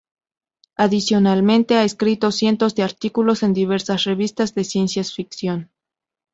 Adicionalmente, ha escrito cientos de artículos en diversas revistas de ciencia ficción.